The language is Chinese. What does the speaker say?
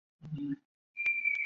以下表格按各守备位置排序。